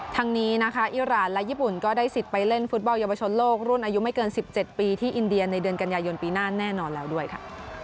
ทั้งนี้นะคะอิราณและญี่ปุ่นก็ได้สิทธิ์ไปเล่นฟุตบอลเยาวชนโลกรุ่นอายุไม่เกิน๑๗ปีที่อินเดียในเดือนกันยายนปีหน้าแน่นอนแล้วด้วยค่ะ